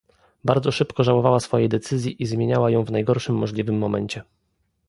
Bardzo szybko żałowała swojej decyzji i zmieniała ją w najgorszym możliwym momencie